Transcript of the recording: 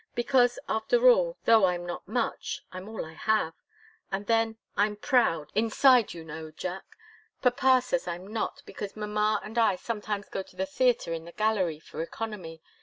Because, after all, though I'm not much, I'm all I have. And then I'm proud inside, you know, Jack. Papa says I'm not, because mamma and I sometimes go to the theatre in the gallery, for economy.